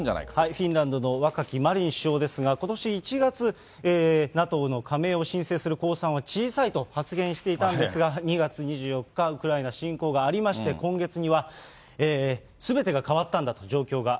フィンランドの若きマリン首相ですが、ことし１月、ＮＡＴＯの加盟を申請する公算は小さいと発言していたんですが、２月２４日、ウクライナ侵攻がありまして、今月にはすべてが変わったんだと、状況が。